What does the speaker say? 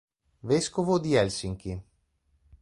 Vescovo di Helsinki